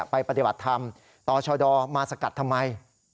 ปฏิบัติธรรมต่อชดมาสกัดทำไม